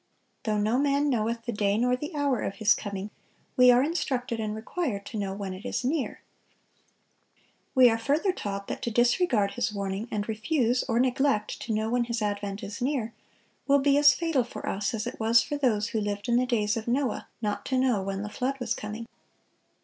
Though no man knoweth the day nor the hour of His coming, we are instructed and required to know when it is near. We are further taught that to disregard His warning, and refuse or neglect to know when His advent is near, will be as fatal for us as it was for those who lived in the days of Noah not to know when the flood was coming.